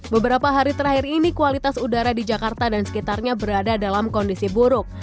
beberapa hari terakhir ini kualitas udara di jakarta dan sekitarnya berada dalam kondisi buruk